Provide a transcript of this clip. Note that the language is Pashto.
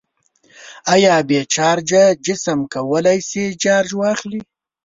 آیا بې چارجه جسم کولی شي چارج واخلي؟